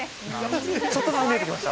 ちょっとずつ見えてきました。